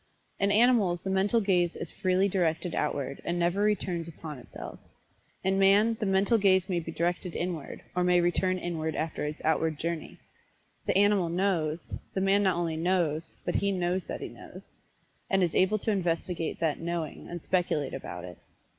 In animals the mental gaze is freely directed outward, and never returns upon itself. In man the mental gaze may be directed inward, or may return inward after its outward journey. The animal "knows" the man not only "knows," but he "knows that he knows," and is able to investigate that "knowing" and speculate about it.